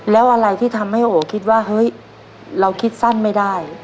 แล้วอะไรที่ทำให้โอคิดว่าเฮ้ยเราคิดสั้นไม่ได้